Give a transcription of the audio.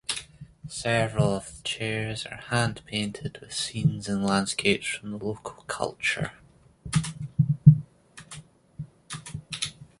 Several of the chairs are hand-painted with scenes and landscapes from the local culture.